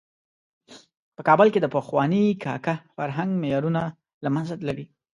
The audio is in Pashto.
په کابل کې د پخواني کاکه فرهنګ معیارونه له منځه تللي.